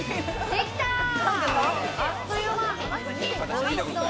おいしそう。